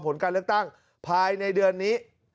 ผลการเลือกตั้งภายในเดือนนี้